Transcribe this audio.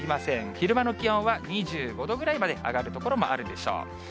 昼間の気温は２５度ぐらいまで上がる所もあるでしょう。